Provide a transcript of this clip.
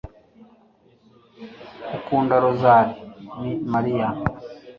ukunda rozari ni mariya